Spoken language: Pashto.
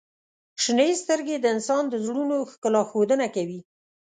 • شنې سترګې د انسان د زړونو ښکلا ښودنه کوي.